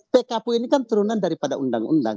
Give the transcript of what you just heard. pkpu ini kan turunan daripada undang undang